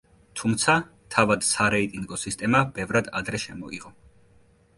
თუმცა, თავად სარეიტინგო სისტემა ბევრად ადრე შემოიღო.